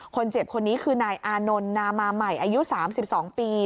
คนเจ็บคนนี้คือนายอานนท์นามาใหม่อายุ๓๒ปี